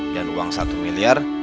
dan uang satu miliar